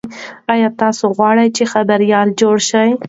ایا تاسي غواړئ چې خبریال جوړ شئ؟